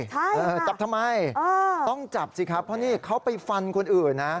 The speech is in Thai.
ใช่เออจับทำไมต้องจับสิครับเพราะนี่เขาไปฟันคนอื่นนะ